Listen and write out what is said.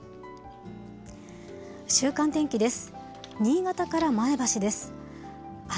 週間天気です。